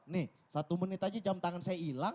nih satu menit aja jam tangan saya hilang